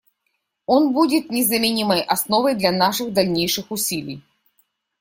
Он будет незаменимой основой для наших дальнейших усилий.